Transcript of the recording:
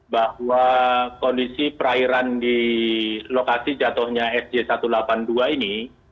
bahwa kondisi perairan di lokasi jatuhnya sj satu ratus delapan puluh dua ini